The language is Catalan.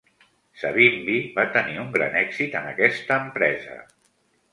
Savimbi va tenir un gran èxit en aquesta empresa.